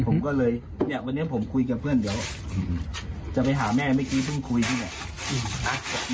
ผมก็เลยเนี่ยวันนี้ผมคุยกับเพื่อนเดี๋ยวจะไปหาแม่เมื่อกี้เพิ่งคุยนี่แหละ